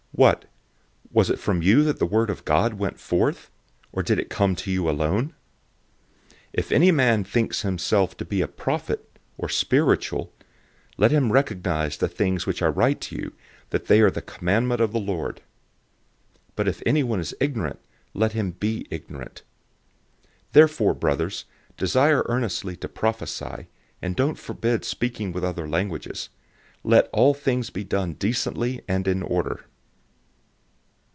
014:036 What? Was it from you that the word of God went out? Or did it come to you alone? 014:037 If any man thinks himself to be a prophet, or spiritual, let him recognize the things which I write to you, that they are the commandment of the Lord. 014:038 But if anyone is ignorant, let him be ignorant. 014:039 Therefore, brothers, desire earnestly to prophesy, and don't forbid speaking with other languages. 014:040 Let all things be done decently and in order.